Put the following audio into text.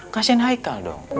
kasian haikal dong